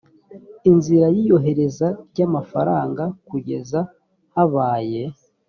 inzira y iyohereza ry amafaranga kugeza habaye